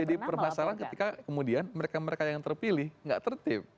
jadi permasalahan ketika kemudian mereka mereka yang terpilih tidak tertip